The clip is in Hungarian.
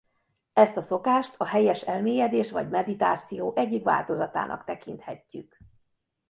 Ezt a szokást a helyes elmélyedés vagy meditáció egyik változatának tekinthetjük.